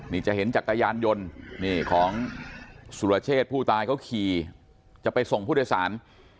นี่จะเห็นจักรยานยนต์นี่ของสุรเชษผู้ตายเขาขี่จะไปส่งผู้โดยสาร